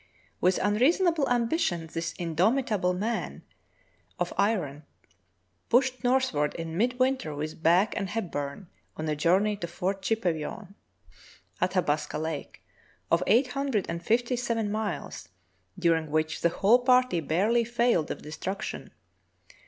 With unreasonable ambition this indomitable man of iron pushed northward in mid winter with Back and Hepburn, on a journey to Fort Chipewyan, Athabasca Lake, of eight hundred and fifty seven miles, during which the whole party barely failed of destruction.